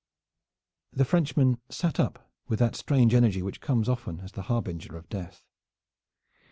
The Frenchman sat up with that strange energy which comes often as the harbinger of death.